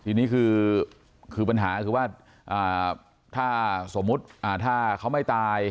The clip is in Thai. ทีนี้คือปัญหาคือว่าถ้าสมมุติถ้าเขาไม่ตาย